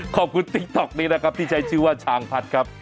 ติ๊กต๊อกนี้นะครับที่ใช้ชื่อว่าชางพัดครับ